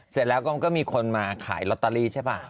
เสร็จแล้วก็มีคนมาขายลอตเตอรี่ใช่ป่ะ